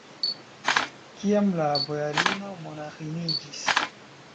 Kiam la bojarino monaĥiniĝis?